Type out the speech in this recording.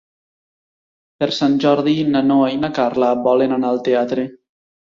Per Sant Jordi na Noa i na Carla volen anar al teatre.